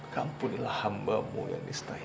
kampunilah hambamu yang istainya